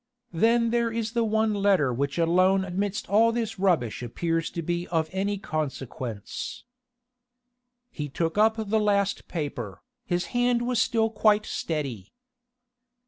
Then there is the one letter which alone amidst all this rubbish appears to be of any consequence...." He took up the last paper; his hand was still quite steady.